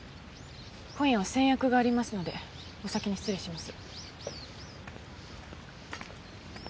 今夜は先約がありますのでお先に失礼します。